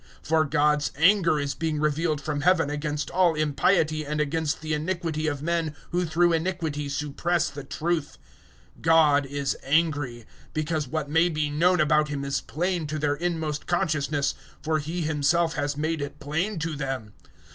001:018 For God's anger is being revealed from Heaven against all impiety and against the iniquity of men who through iniquity suppress the truth. God is angry: 001:019 because what may be known about Him is plain to their inmost consciousness; for He Himself has made it plain to them.